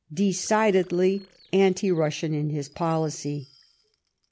decidedly anti Russian in his policy.